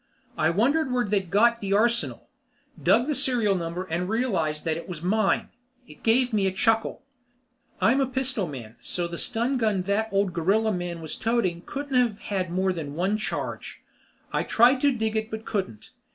I wondered where they'd got the arsenal, dug the serial number, and realized that it was mine. It gave me a chuckle. I'm a pistol man, so the stun gun that old gorilla man was toting couldn't have had more than one more charge. I tried to dig it but couldn't.